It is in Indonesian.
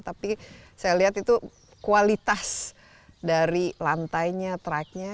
tapi saya lihat itu kualitas dari lantainya tracknya